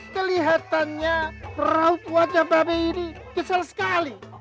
kelihatannya raut wajah mba be ini kesel sekali